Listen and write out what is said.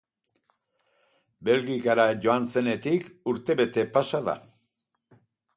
Belgikara joan zenetik urte bete pasa da.